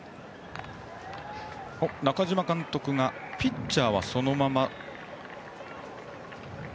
中嶋監督がピッチャーはそのまま。